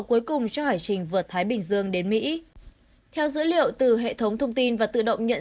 cuối cùng cho hải trình vượt thái bình dương đến mỹ theo dữ liệu từ hệ thống thông tin và tự động nhận